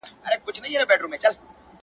زيات خلک په دې فکر او نظريه دي